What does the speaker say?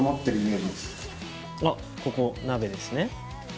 あっここナベですね。